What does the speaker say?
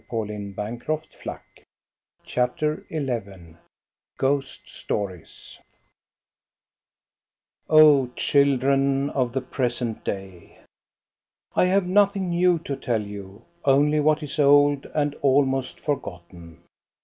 GHOST STORIES 199 CHAPTER XI GHOST STORIES Oh, children of the present day ! I have nothing new to tell you, only what is old and almost forgotten.